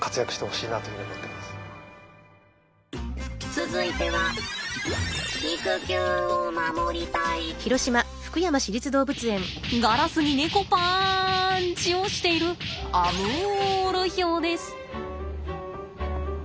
続いてはガラスにネコパンチをしているアムールヒョウです。